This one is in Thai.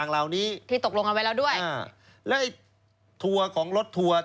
แล้วไอ้ทัวร์ของรถทัวร์